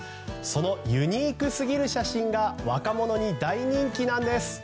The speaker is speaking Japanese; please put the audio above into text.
そのユニークすぎる写真が若者に大人気なんです。